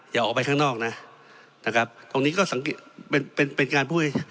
อย่าออกไปข้างนอกนะนะครับตรงนี้ก็สังเกตเป็นเป็นการพูดให้